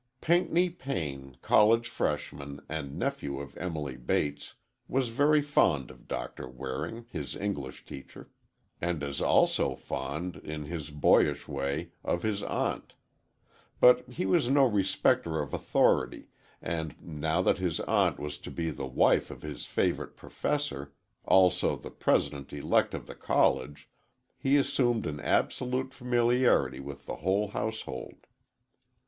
Pinckney Payne, college freshman, and nephew of Emily Bates, was very fond of Doctor Waring, his English teacher, and as also fond, in his boyish way, of his aunt. But he was no respecter of authority, and, now that his aunt was to be the wife of his favorite professor, also the President elect of the college, he assumed an absolute familiarity with the whole household.